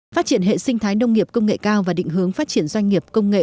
phát triển hệ sinh thái nông nghiệp công nghệ cao và định hướng phát triển doanh nghiệp công nghệ